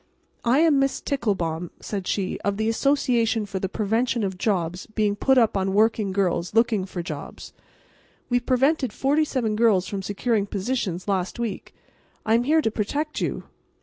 "I am Miss Ticklebaum," said she, "of the Association for the Prevention of Jobs Being Put Up on Working Girls Looking for Jobs. We prevented forty seven girls from securing positions last week. I am here to protect you.